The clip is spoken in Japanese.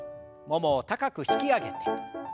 ももを高く引き上げて。